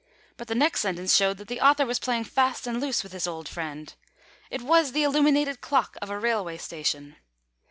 but the next sentence showed that the author was playing fast and loose with his old friend. "It was the illuminated clock of a railway station."